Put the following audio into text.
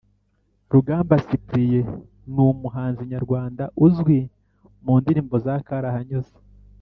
Rugamba cyprien numuhanzi nyarwanda uzwi mundirimbo za karahanyuze